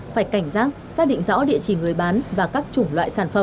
phải cảnh giác xác định rõ địa chỉ người bán và các chủng loại sản phẩm